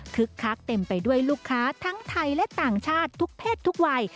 คักเต็มไปด้วยลูกค้าทั้งไทยและต่างชาติทุกเพศทุกวัย